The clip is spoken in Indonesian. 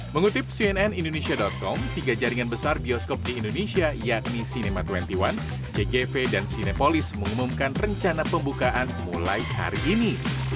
mengutip cnn indonesia com tiga jaringan besar bioskop di indonesia yakni cinema dua puluh satu jgv dan cinepolis mengumumkan rencana pembukaan mulai hari ini